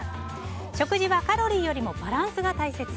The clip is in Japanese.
食事は、カロリーよりもバランスが大切。